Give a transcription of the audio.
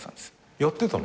やってたの？